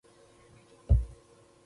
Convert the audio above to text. غول د وچې ډوډۍ څخه بیزار دی.